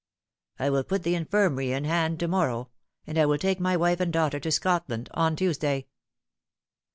" I will put the infirmary in hand to morrow ; and I will take nly wife and daughter to Scotland on Tuesday."